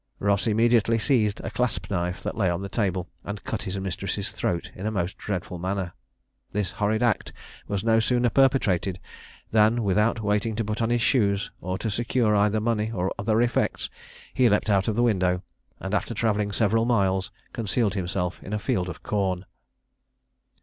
Ross immediately seized a clasp knife that lay on the table, and cut his mistress's throat in a most dreadful manner. This horrid act was no sooner perpetrated than, without waiting to put on his shoes, or to secure either money or other effects, he leaped out of the window, and after travelling several miles, concealed himself in a field of corn.